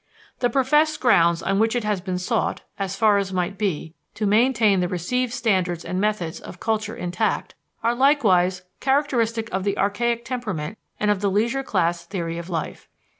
The professed grounds on which it has been sought, as far as might be, to maintain the received standards and methods of culture intact are likewise characteristic of the archaic temperament and of the leisure class theory of life.